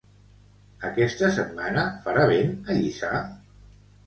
Aquesta setmana farà vent a Lliçà?